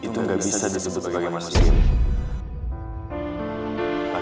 itu gak bisa disebut bagian manusia